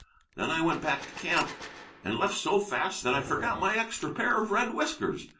Then I went back to camp, and left so fast that I forgot my extra pair of red whiskers.